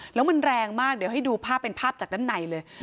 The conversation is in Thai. แล้วมันแรงมากเดี๋ยวให้ดูภาพเป็นภาพจากด้านในเลย